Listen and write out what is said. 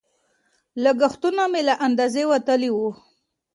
لګښتونه مې له اندازې وتلي وو.